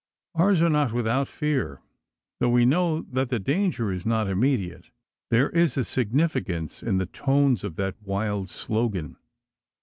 Ours are not without fear. Though we know that the danger is not immediate, there is a significance in the tones of that wild slogan.